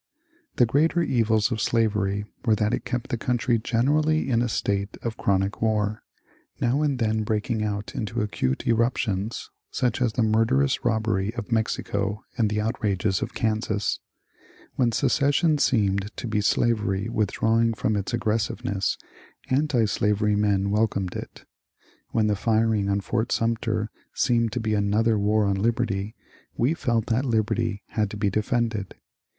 The greater evils of slavery were that it kept the country generally in a state of chronic war, now and then breaking out into acute eruptions, such as the murderous robbery of Mexico and the outrages on Kansas. When secession seemed to be slavery withdraw ing from its aggressiveness, antislavery men welcomed it; when the firing on Fort Sumter seemed to be another war on liberty, we felt that liberty had to be defended.